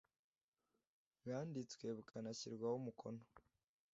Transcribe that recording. bwanditse bukanashyirwaho umukono